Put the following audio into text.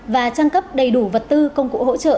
và trang cấp đầy đủ vật tư công cụ hỗ trợ